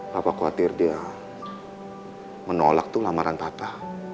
papa khawatir dia menolak tuh lamaran papa